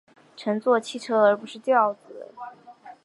乘坐汽车而不是轿子